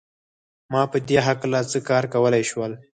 ما په دې هکله څه کار کولای شول